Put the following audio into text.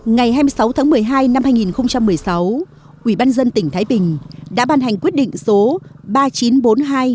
ngày hai mươi sáu tháng một mươi hai năm hai nghìn một mươi sáu quỹ ban dân tỉnh thái bình đã ban hành quyết định số ba nghìn chín trăm bốn mươi hai qdbx